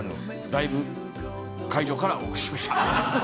ライブ会場からお送りしました。